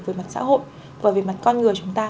về mặt xã hội và về mặt con người chúng ta